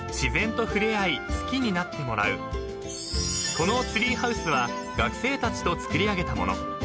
［このツリーハウスは学生たちと造り上げた物］